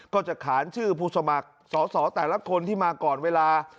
ก็จะขานชื่อผู้สมัครสอสอแต่ละคนที่มาก่อนเวลา